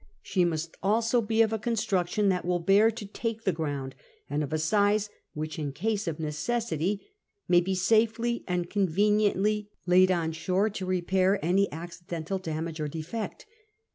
She must also be of a construction that will bear to take the ground, and of a size which, in case of necessity, may be safely and conveniently laid on shore to repair any accidental damage or defect.